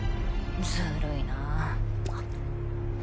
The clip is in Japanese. ずるいなぁ。